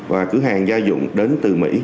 và cửa hàng gia dụng đến từ mỹ